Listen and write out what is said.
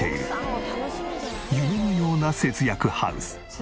夢のような節約ハウス。